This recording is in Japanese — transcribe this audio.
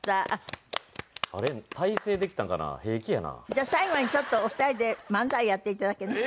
じゃあ最後にちょっとお二人で漫才やって頂けない？